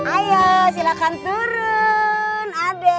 ayo silahkan turun adek